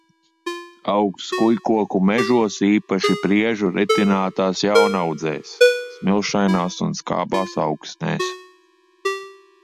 Aug skujkoku mežos, īpaši priežu retinātās jaunaudzēs, smilšainās un skābās augsnēs.